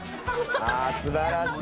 ああ素晴らしい。